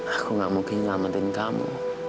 aku gak mungkin ngamenin kamu